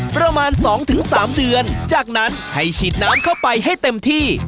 ประมาณ๒๓เดือนจากนั้นให้ฉีดน้ำเข้าไปให้เต็มที่